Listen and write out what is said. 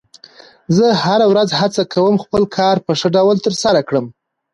زه هره ورځ هڅه کوم خپل کار په ښه ډول ترسره کړم